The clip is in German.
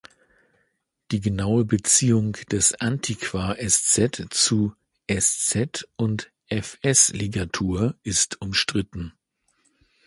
Die genaue Beziehung des Antiqua-ß zu Eszett und "ſs"-Ligatur ist umstritten.